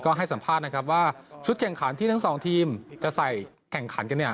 ก็ให้สัมภาษณ์นะครับว่าชุดแข่งขันที่ทั้งสองทีมจะใส่แข่งขันกันเนี่ย